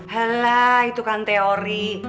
helah itu kan teori